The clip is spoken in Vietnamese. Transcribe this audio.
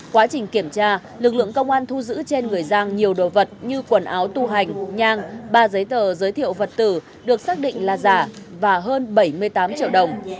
quá trình kiểm tra lực lượng công an thu giữ trên người giang nhiều đồ vật như quần áo tu hành nhang ba giấy tờ giới thiệu vật tử được xác định là giả và hơn bảy mươi tám triệu đồng